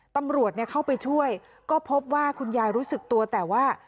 ตำรวจเข้าไปช่วยก็พบว่าคุณยายรู้สึกตัวแต่ว่า